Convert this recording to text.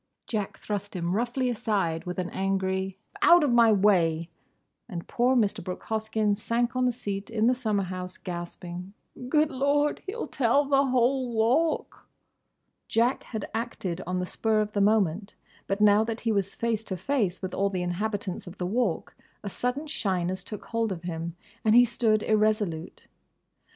Jack thrust him roughly aside with an angry, "Out of my way!" and poor Mr. Brooke Hoskyn sank on the seat in the summer house, gasping, "Good Lord! He'll tell the whole Walk!" Jack had acted on the spur of the moment; but now that he was face to face with all the inhabitants of the Walk a sudden shyness took hold of him and he stood irresolute.